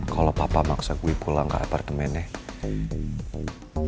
kalau papa maksa gue pulang ke apartemennya